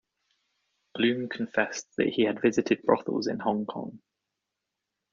Bloom confessed that he had visited brothels in Hong Kong.